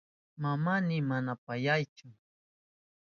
Mamayni mana payachu.